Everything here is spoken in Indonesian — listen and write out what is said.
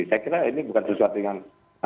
saya kira ini bukan sesuatu yang